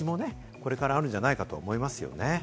これからあるんじゃないかと思いますよね。